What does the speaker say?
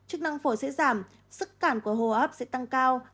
chức năng phổi sẽ giảm sức cản của hô hấp sẽ tăng cao